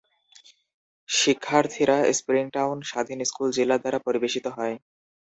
শিক্ষার্থীরা স্প্রিংটাউন স্বাধীন স্কুল জেলা দ্বারা পরিবেশিত হয়।